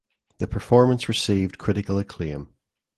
The performance received critical acclaim.